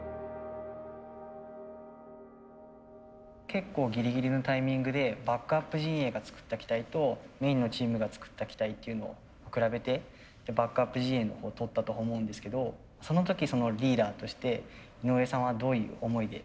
結構ギリギリのタイミングでバックアップ陣営が作った機体とメインのチームが作った機体っていうのを比べてバックアップ陣営のほうとったと思うんですけどその時そのリーダーとして井上さんはどういう思いで。